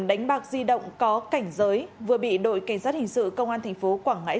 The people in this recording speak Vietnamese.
đánh bạc di động có cảnh giới vừa bị đội cảnh sát hình sự công an thành phố quảng ngãi